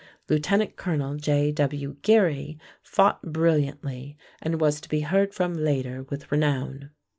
Lieutenant Colonel J.W. Geary fought brilliantly and was to be heard from later with renown.